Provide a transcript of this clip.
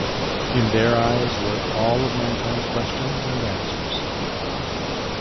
In their eyes lurk all of mankind's questions and answers.